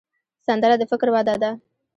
سندره د فکر وده ده